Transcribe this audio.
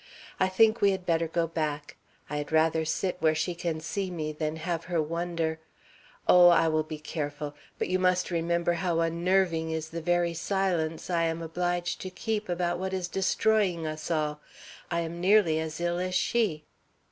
I think we had better go back. I had rather sit where she can see me than have her wonder Oh, I will be careful; but you must remember how unnerving is the very silence I am obliged to keep about what is destroying us all. I am nearly as ill as she."